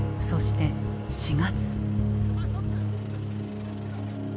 そして４月。